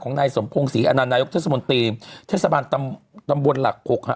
นายสมพงศรีอนานายกเทศมนตรีเทศบาลตำบลหลัก๖ฮะ